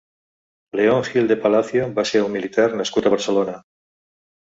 León Gil de Palacio va ser un militar nascut a Barcelona.